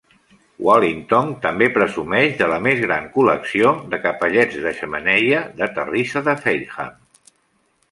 Wallington també presumeix de la més gran col·lecció de capellets de xemeneia de "terrissa de Fareham".